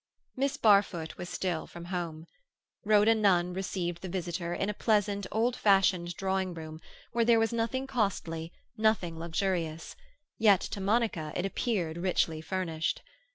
Miss Barfoot was still from home. Rhoda Nunn received the visitor in a pleasant, old fashioned drawing room, where there was nothing costly, nothing luxurious; yet to Monica it appeared richly furnished.